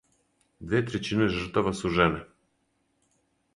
Две трећине жртава су жене.